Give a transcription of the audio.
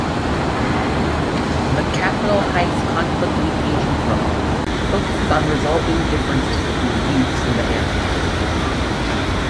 The Capitol Heights conflict-mediation program focuses on resolving differences between youths in the area.